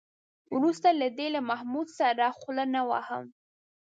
وروسته له دې له محمود سره خوله نه وهم.